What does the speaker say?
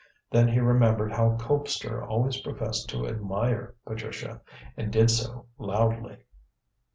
Then he remembered how Colpster always professed to admire Patricia, and did so loudly.